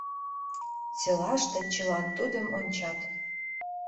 Селаште чылан тудым ончат.